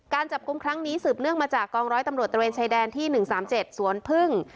การจับกุมครั้งนี้สืบเนื่องมาจากกองร้อยตำรวจตะเวนชายแดนที่หนึ่งสามเจ็ดสวนพึ่ง